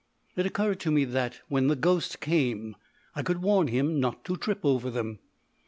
It occurred to me that when the ghost came, I could warn him not to trip over them.